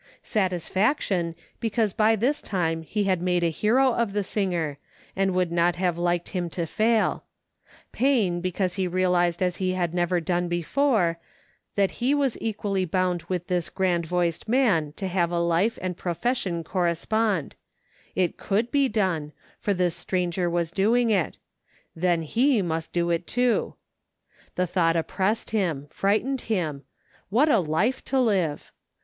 Satisfaction, because by this time he had made a hero of the singer, and would not have liked him to fail; pain because he realized as he had never done before, that he was equally bound with this grand voiced man to have life and pro fession correspond ; it coidd be done, for this stranger was doing it ; then he must do it too. The thought oppressed him ; frightened him ; what a life to live